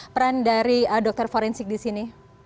peran dari dokter forensik disini